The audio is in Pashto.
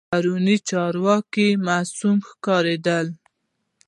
پرون چارواکي معصوم ښکارېدل.